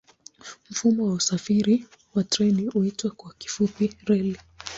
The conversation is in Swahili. Mfumo wa usafiri kwa treni huitwa kwa kifupi reli.